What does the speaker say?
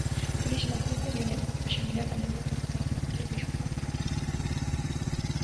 Police বাধা দিতে গেলে আসামিরা তাদের লক্ষ্য করে ককটেল বিস্ফোরণ ঘটান।